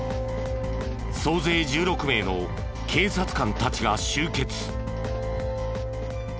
総勢１６名の警察官たちが集結。